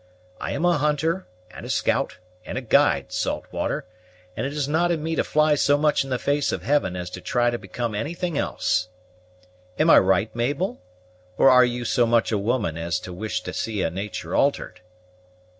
I am a hunter, and a scout, or a guide, Saltwater, and it is not in me to fly so much in the face of Heaven as to try to become anything else. Am I right, Mabel, or are you so much a woman as to wish to see a natur' altered?"